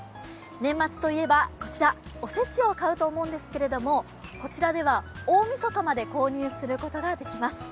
年末といえばこちら、お節を買うと思うんですけどこちらでは大みそかまで購入することができます。